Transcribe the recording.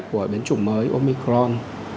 của biến chủng mới omicron